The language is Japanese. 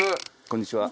こんにちは。